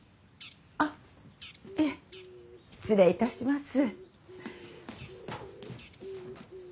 あっいえ失礼いたします。